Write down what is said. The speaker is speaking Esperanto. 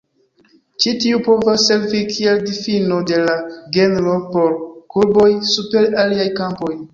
Ĉi tiu povas servi kiel difino de la genro por kurboj super aliaj kampoj.